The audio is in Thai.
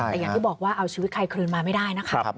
แต่อย่างที่บอกว่าเอาชีวิตใครคืนมาไม่ได้นะครับ